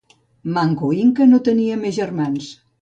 Manco Inca no tenia més germans.